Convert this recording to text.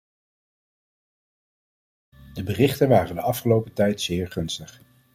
De berichten waren de afgelopen tijd zeer gunstig.